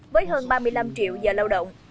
với hơn ba mươi năm triệu giờ lao động